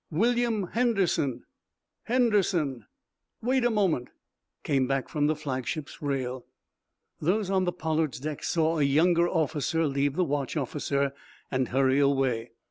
"William Henderson." "Henderson? Wait a moment!" came back from the flagship's rail. Those on the "Pollard's" deck saw a younger officer leave the watch officer and hurry away.